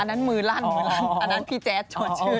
อันนั้นมือลั่นอันนั้นพี่แจ๊ดโฉดชื่น